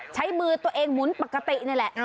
ใช้มือตัวเองหมุนปกตินี่แหละ